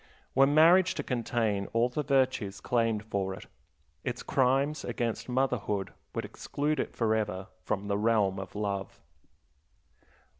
Were marriage to contain all the virtues claimed for it, its crimes against motherhood would exclude it forever from the realm of love.